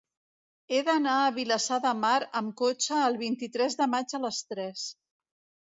He d'anar a Vilassar de Mar amb cotxe el vint-i-tres de maig a les tres.